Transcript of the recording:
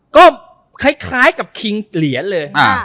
ก็คล้ายกับคิงเหรียญเลย